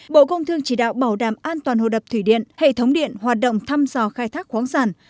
bộ công thương chỉ đạo bảo đảm an toàn hồ đập thủy điện hệ thống điện hoạt động thăm dò khai thác khoáng sản